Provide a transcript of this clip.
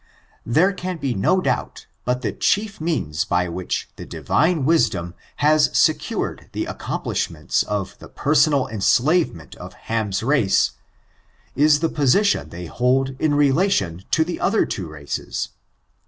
There can be no doubt but the chief means by which the Divine wisdom has secured the accom ^^^^'^^^^^^^^^^^^^ 376 ORIGIN, CHARACTER, AND plishment of the personal enslavement of Ham's race, is the position they hold in relation to the other two races.